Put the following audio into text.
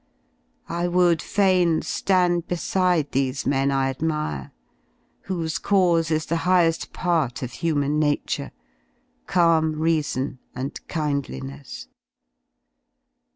I would fain ^and beside these men I admire, whose cause is the highe^ part > of human nature, calm reason, and kindliness.